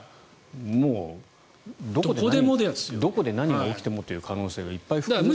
もうどこで何が起きてもという可能性がいっぱい含まれているという。